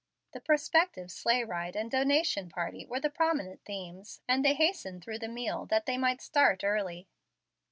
The prospective sleigh ride and donation party were the prominent themes, and they hastened through the meal that they might start early.